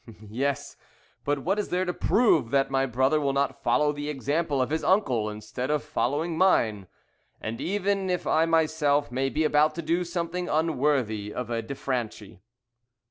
"Yes; but what is there to prove that my brother will not follow the example of his uncle instead of following mine? And even I myself may be about to do something unworthy of a de Franchi."